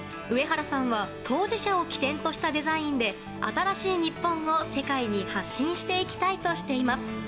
上原さんは当事者を起点としたデザインで新しい日本を世界に発信していきたいとしています。